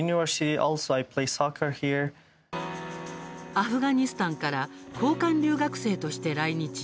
アフガニスタンから交換留学生として来日。